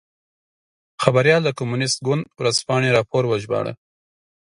خبریال د کمونېست ګوند ورځپاڼې راپور وژباړه.